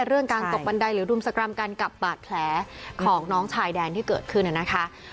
เรื่องการตกบันไดหรือรุมสกรรมกันกับบาดแผลของน้องชายแดนที่เกิดขึ้นนะคะ